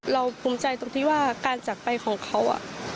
ภูมิใจตรงที่ว่าการจักรไปของเขา